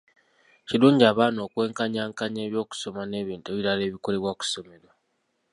Kirungi abaana okwenkanyankanya eby'okusoma n'ebintu ebirala ebikolebwa ku ssomero.